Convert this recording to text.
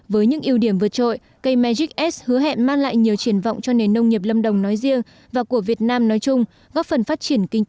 với những ưu điểm vượt trội cây magic s hứa hẹn mang lại nhiều triển vọng cho nền nông nghiệp lâm đồng nói riêng và của việt nam nói chung góp phần phát triển kinh tế nông nghiệp